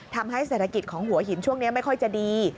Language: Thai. ทำให้เศรษฐกิจของหัวหินช่วงนี้ไม่ค่อยจะดี